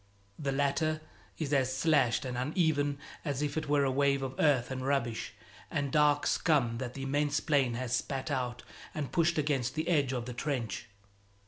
The latter is as slashed and uneven as if it were a wave of earth and rubbish and dark scum that the immense plain has spat out and pushed against the edge of the trench.